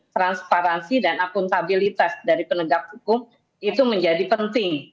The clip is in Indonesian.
transparansi dan akuntabilitas dari penegak hukum itu menjadi penting